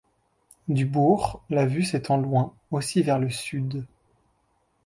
Du bourg, la vue s'étend loin aussi vers le sud.